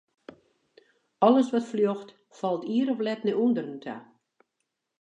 Alles wat fljocht, falt ier of let nei ûnderen ta.